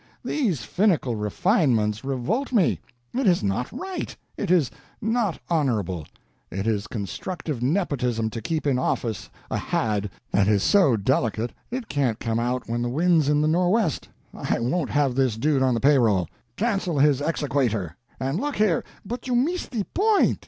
These finical refinements revolt me; it is not right, it is not honorable; it is constructive nepotism to keep in office a Had that is so delicate it can't come out when the wind's in the nor'west I won't have this dude on the payroll. Cancel his exequator; and look here " "But you miss the point.